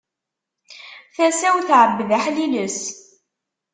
Tasa-w tɛebbed aḥliles.